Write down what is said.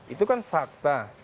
itu kan fakta